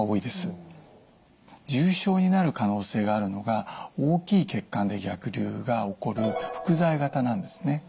重症になる可能性があるのが大きい血管で逆流が起こる伏在型なんですね。